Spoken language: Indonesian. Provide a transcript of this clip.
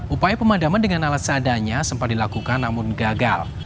upaya pemadaman dengan alat seadanya sempat dilakukan namun gagal